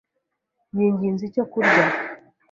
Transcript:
yinginze icyo kurya.